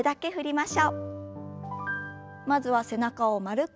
まずは背中を丸く。